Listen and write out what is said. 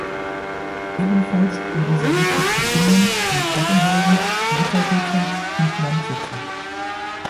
Ebenfalls in dieser Liste zu finden sind Herrenhäuser, Rittergüter und Landsitze.